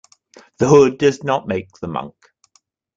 The hood does not make the monk.